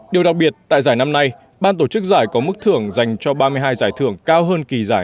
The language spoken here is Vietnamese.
điều đặc biệt tại giải năm nay ban tổ chức giải có mức thưởng dành cho ba mươi hai giải thưởng cao hơn kỳ giải